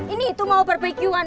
ini itu mau barbequean